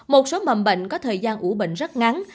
một số mầm bệnh có thời gian ủ bệnh rất ngắn